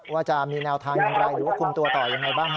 ว่าจะมีแนวทางอย่างไรหรือว่าคุมตัวต่อยังไงบ้างฮะ